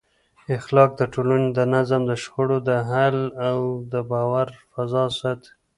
اخلاق د ټولنې د نظم، د شخړو د حل او د باور فضا ساتي.